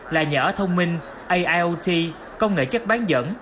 là nhở thông minh aiot công nghệ chất bán dẫn